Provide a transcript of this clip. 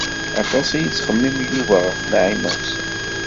Aṭas i yettxemmim Yuba ɣef Naɛima u Ḥsen.